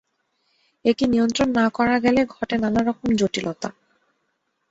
একে নিয়ন্ত্রণ না করা গেলে ঘটে নানা রকম জটিলতা।